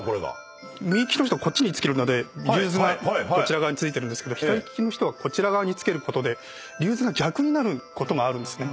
右利きの人はこっちに着けるのでリューズがこちら側に付くんですが左利きの人はこちら側に着けることでリューズが逆になることがあるんですね。